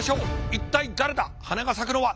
一体誰だ花が咲くのは。